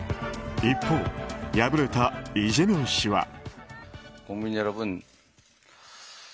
一方、敗れたイ・ジェミョン氏は。